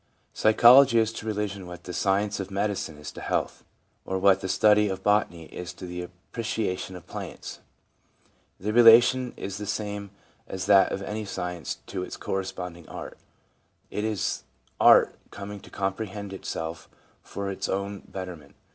Psychology is to religion what the science of medicine is to health, or what the study of botany is to the appreciation of plants. The relation is the same as that of any science to its corresponding art. It is art coming to comprehend itself for its own betterment.